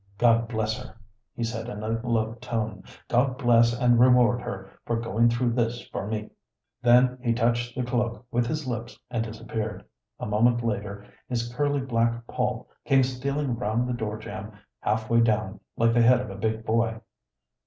"God bless her!" he said in a low tone. "God bless and reward her for going through this for me!" Then he touched the cloak with his lips and disappeared. A moment later his curly black poll came stealing round the door jamb, half way down, like the head of a big boy.